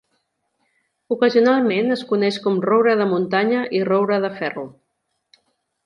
Ocasionalment es coneix com roure de muntanya i roure de ferro.